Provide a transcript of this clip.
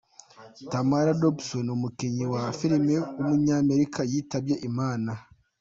Tamara Dobson, umukinnyikazi wa flm w’umunyamerika yitabye Imana.